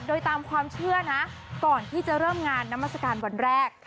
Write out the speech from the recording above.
โดยตามความเชื่อนะก่อนที่จะเริ่มงานนามัศกาลวันแรก